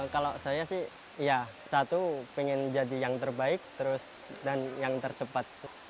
kalau saya sih ya satu pengen jadi yang terbaik terus dan yang tercepat